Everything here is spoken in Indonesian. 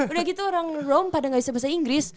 udah gitu orang rom pada gak bisa bahasa inggris